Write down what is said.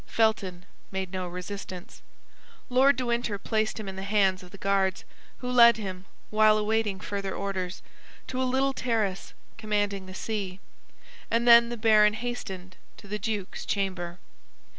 Felton made no resistance. Lord de Winter placed him in the hands of the guards, who led him, while awaiting further orders, to a little terrace commanding the sea; and then the baron hastened to the duke's chamber.